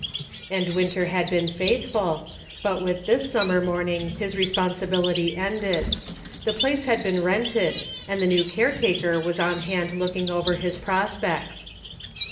And Winter had been faithful, but with this summer morning his responsibility ended. The place had been rented, and the new care taker was on hand looking over his prospects.